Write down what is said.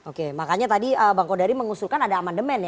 oke makanya tadi bang kodari mengusulkan ada amandemen ya